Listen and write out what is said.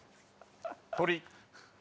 鳥。